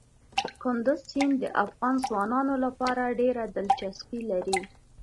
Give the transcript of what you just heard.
کندز سیند د افغان ځوانانو لپاره ډېره دلچسپي لري.